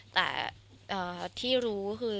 แต่ที่รู้คือ